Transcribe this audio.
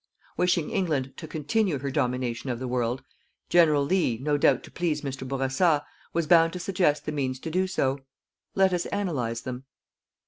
Wishing England to continue her domination of the world, General Lea, no doubt to please Mr. Bourassa, was bound to suggest the means to do so. Let us analyze them.